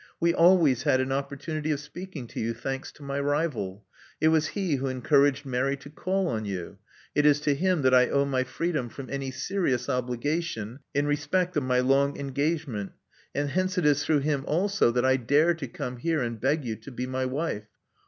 We always had an opportunity of speaking to you, thanks to my rival. It was he who encouraged Mary to call on you. It is to him that I owe my freedom from any serious obligation in respect of my long engagement; and hence it is through him also that I dare to come here and beg you to be my wife.